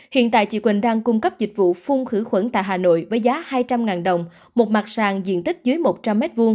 hiện tại chị quỳnh đang cung cấp dịch vụ phun khử khuẩn tại hà nội với giá hai trăm linh đồng một mặt sàn diện tích dưới một trăm linh m hai